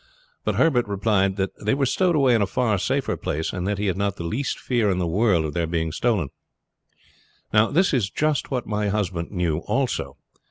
But Herbert replied that they were stowed away in a far safer place, and that he had not the least fear in the world of their being stolen. "Now, this is just what my husband knew also.